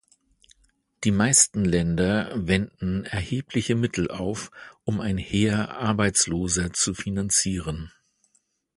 Die meisten Länder wenden erhebliche Mittel auf, um ein Heer Arbeitsloser zu finanzieren.